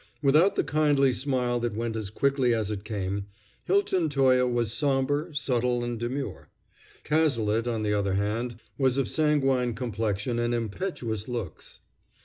Without the kindly smile that went as quickly as it came, Hilton Toye was somber, subtle and demure. Cazalet, on the other hand, was of sanguine complexion and impetuous looks.